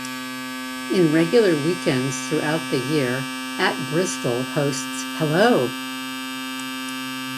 In regular weekends throughout the year At-Bristol hosts Hello!